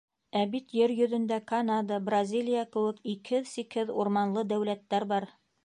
Ә бит ер йөҙөндә Канада, Бразилия кеүек икһеҙ-сикһеҙ урманлы дәүләттәр бар!